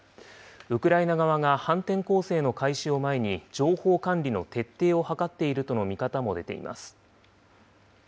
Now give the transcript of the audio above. ウクライナ側が反転攻勢の開始を前に情報管理の徹底を図っているとの見方も出ています。